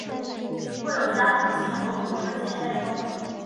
后又加封信州路和铅山州。